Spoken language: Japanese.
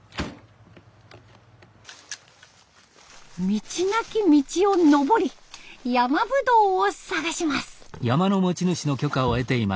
道なき道を登りヤマブドウを探します。